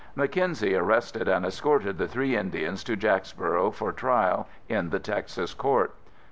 Mackenzie arrested and escorted the three Indians to Jacksboro for trial in the Texas court.